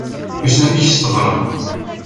Wissen amek i as-teḍra?